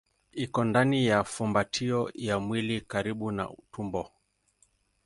Iko ndani ya fumbatio ya mwili karibu na tumbo.